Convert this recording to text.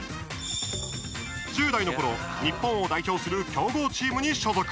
１０代のころ日本を代表する強豪チームに所属。